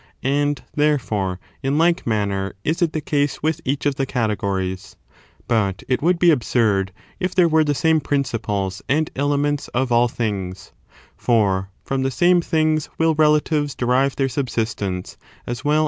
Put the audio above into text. and, therefore, in like manner is it the case with each of the categories. But it would be absurd if there were the same principles and elements of all things, for from the same things will relatives derive their subsistence as well as sub stance.